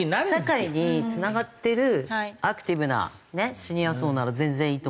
社会につながってるアクティブなシニア層なら全然いいと思うし。